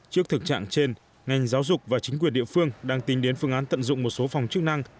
trước thực trạng trên ngành giáo dục và chính quyền địa phương đang tính đến phương án tận dụng một số phòng chức năng